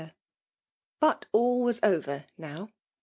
But all was over now.